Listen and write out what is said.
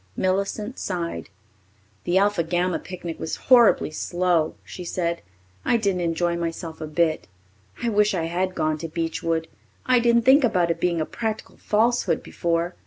Millicent sighed. "The Alpha Gamma picnic was horribly slow," she said. "I didn't enjoy myself a bit. I wish I had gone to Beechwood. I didn't think about it's being a practical falsehood before.